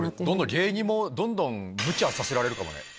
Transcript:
どんどん芸人もどんどんむちゃをさせられるかもね。